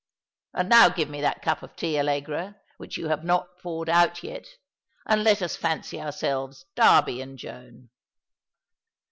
And now give me that cup of tea, Allegra, which you have not poured out yet, and let us fancy ourselves Darby and Joan."